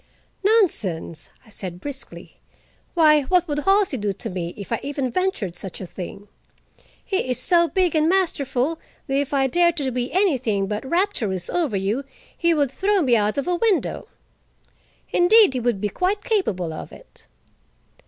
"Nonsense!" I said briskly. "Why, what would Halsey do to me if I even ventured such a thing? He is so big and masterful that if I dared to be anything but rapturous over you, he would throw me out of a window. Indeed, he would be quite capable of it."